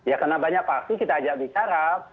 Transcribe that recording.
ya karena banyak pasti kita ajak bicara